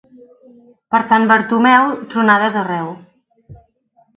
Per Sant Bartomeu, tronades arreu.